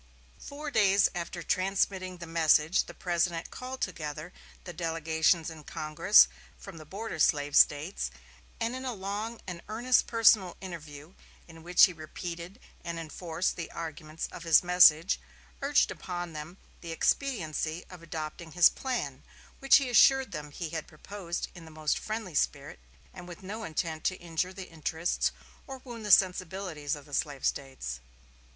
Four days after transmitting the message the President called together the delegations in Congress from the border slave States, and in a long and earnest personal interview, in which he repeated and enforced the arguments of his message, urged upon them the expediency of adopting his plan, which he assured them he had proposed in the most friendly spirit, and with no intent to injure the interests or wound the sensibilities of the slave States.